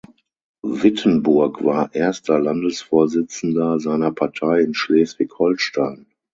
Wittenburg war erster Landesvorsitzender seiner Partei in Schleswig-Holstein.